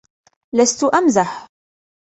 لستُ أمزح!